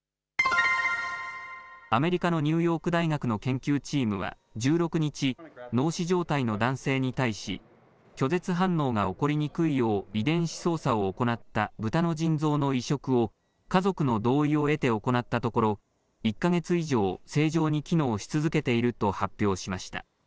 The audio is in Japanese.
アメリカのニューヨーク大学の研究チームは１６日、脳死状態の男性に対し、拒絶反応が起こりにくいよう遺伝子操作を行ったブタの腎臓の移植を、家族の同意を得て行ったところ、１か月以上、正常に機能し続けていると発表しました。